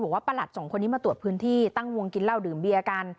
ประหลัดสองคนนี้มาตรวจพื้นที่ตั้งวงกินเหล้าดื่มเบียร์กัน